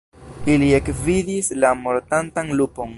Ili ekvidis la mortantan lupon.